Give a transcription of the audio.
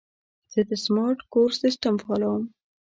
زه د سمارټ کور سیسټم فعالوم.